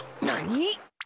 何？